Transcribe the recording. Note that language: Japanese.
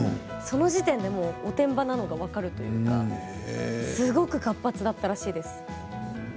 その時点で、おてんばなのが分かるというかすごく活発だったらしいです。